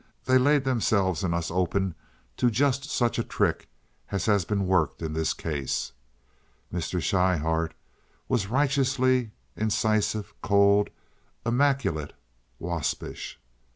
They laid themselves and us open to just such a trick as has been worked in this case." Mr. Schryhart was righteously incisive, cold, immaculate, waspish.